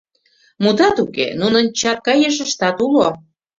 Мутат уке, нунын чатка ешыштат уло.